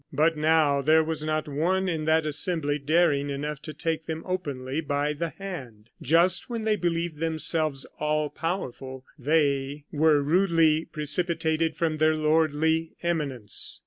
But now there was not one in that assembly daring enough to take them openly by the hand. Just when they believed themselves all powerful they were rudely precipitated from their lordly eminence.